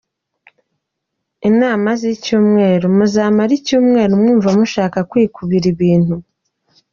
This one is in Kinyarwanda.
Inama z’icyumweru: muzamara icyumweru mwumva mushaka kwikubira ibintu.